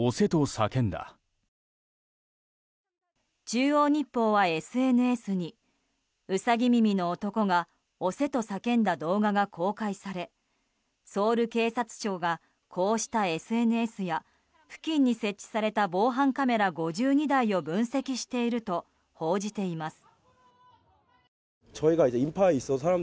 中央日報は、ＳＮＳにウサギ耳の男が押せと叫んだ動画が公開されソウル警察庁がこうしたＳＮＳや付近に設置された防犯カメラ５２台を分析していると報じています。